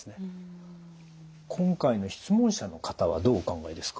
今回の質問者の方はどうお考えですか？